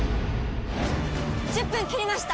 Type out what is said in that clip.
１０分切りました。